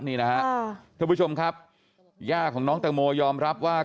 นี่นะฮะท่านผู้ชมครับย่าของน้องแตงโมยอมรับว่า